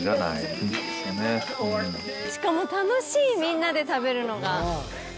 しかも楽しいみんなで食べるのが。